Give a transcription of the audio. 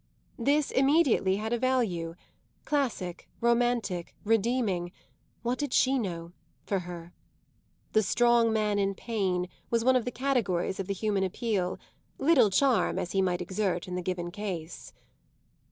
This immediately had a value classic, romantic, redeeming, what did she know? for her; "the strong man in pain" was one of the categories of the human appeal, little charm as he might exert in the given case.